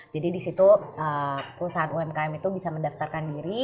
jadi di situ perusahaan umkm itu bisa mendaftarkan diri